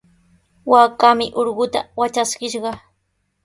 Waakaami urquta watraskishqa.